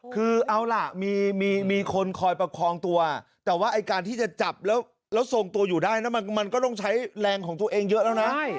คือเอาล่ะมีคนคอยประคองตัวแต่ว่าไอ้การที่จะจับแล้วทรงตัวอยู่ได้นะมันก็ต้องใช้แรงของตัวเองเยอะแล้วนะ